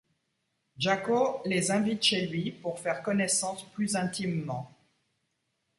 Jacko les invite chez lui pour faire connaissance plus intimement.